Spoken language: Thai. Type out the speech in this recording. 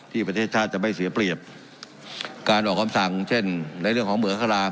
ประเทศชาติจะไม่เสียเปรียบการออกคำสั่งเช่นในเรื่องของเหมืองคลาม